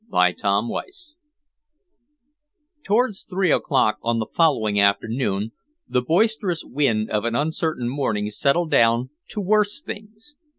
CHAPTER XXI Towards three o'clock on the following afternoon, the boisterous wind of an uncertain morning settled down to worse things.